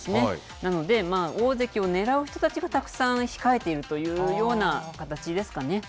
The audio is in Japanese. なので、大関をねらう人たちがたくさん控えているというような形ですかね。